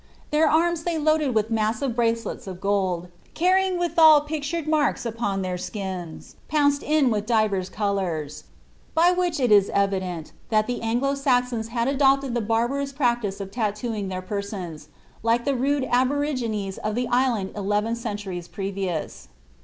Their arms they load^ with massive bracelets of gold, carrying withal pictm^d marks upon their skins, pounced in with divers colours ;" by which it is evi dent that the Anglo Saxons had adopted the barbarous practice of tat« tooing their persons, like the rude aborigines of the island eleven centu ries previous.